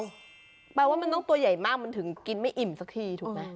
แปลว่ามันต้องตัวใหญ่มากมันถึงกินไม่อิ่มสักทีถูกไหม